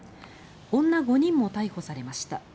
女５人も逮捕されました。